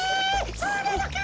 そうなのか！